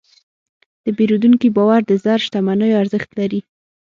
د پیرودونکي باور د زر شتمنیو ارزښت لري.